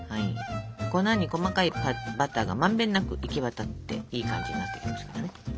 粉に細かいバターがまんべんなく行き渡っていい感じになってきますから。